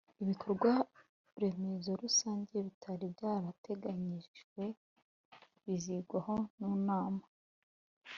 ibikorwaremezo rusange bitari byarateganyijwe bizigwaho nu nama